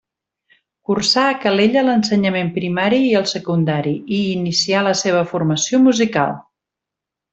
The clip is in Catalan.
Cursà a Calella l'ensenyament primari i el secundari i hi inicià la seva formació musical.